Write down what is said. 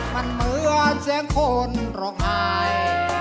มันเหมือนเสียงคนหล่องหาย